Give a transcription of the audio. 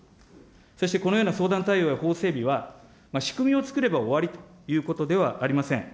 そしてこのような相談対応や法整備は、仕組みを作れば終わりということではありません。